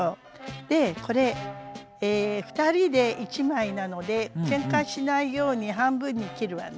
でこれ２人で１枚なのでけんかしないように半分に切るわね。